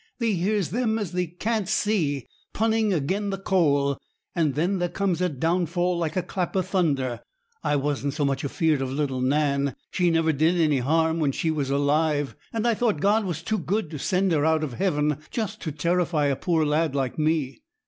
Thee hears them as thee can't see punning agen the coal; and then there comes a downfall like a clap of thunder. I wasn't so much afeared of little Nan: she never did any harm when she was alive; and I thought God was too good to send her out of heaven just to terrify a poor lad like me.'